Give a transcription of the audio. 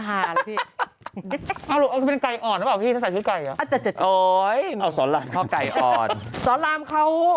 อ้าจัดพ่อไก่อ่อนสอนลามเขา